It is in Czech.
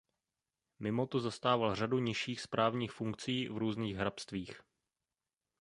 Mimoto zastával řadu nižších správních funkcí v různých hrabstvích.